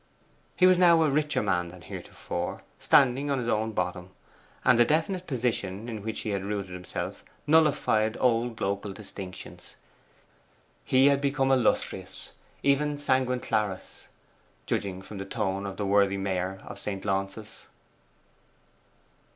He was now a richer man than heretofore, standing on his own bottom; and the definite position in which he had rooted himself nullified old local distinctions. He had become illustrious, even sanguine clarus, judging from the tone of the worthy Mayor of St. Launce's.